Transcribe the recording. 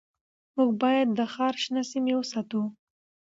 موږ باید د ښار شنه سیمې وساتو